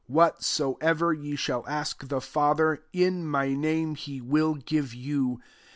Whatsoever ye shall ask the Father, in my name, he will give you.